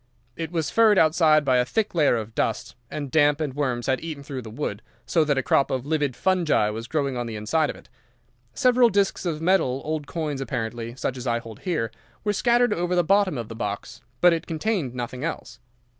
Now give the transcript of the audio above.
It was furred outside by a thick layer of dust, and damp and worms had eaten through the wood, so that a crop of livid fungi was growing on the inside of it. Several discs of metal, old coins apparently, such as I hold here, were scattered over the bottom of the box, but it contained nothing else.